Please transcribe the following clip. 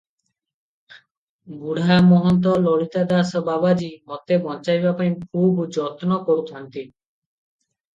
ବୁଢ଼ା ମହନ୍ତ ଲଳିତା ଦାସ ବାବାଜୀ ମୋତେ ବଞ୍ଚାଇବା ପାଇଁ ଖୁବ୍ ଯତ୍ନ କରୁଥାନ୍ତି ।